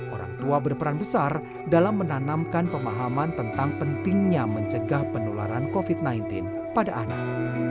orang tua berperan besar dalam menanamkan pemahaman tentang pentingnya mencegah penularan covid sembilan belas pada anak